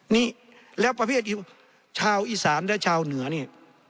นี่แล้วประเภทชาวอีสานและชาวเหนือนี่